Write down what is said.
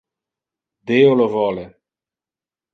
Deo lo vole.